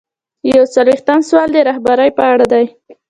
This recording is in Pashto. یو څلویښتم سوال د رهبرۍ په اړه دی.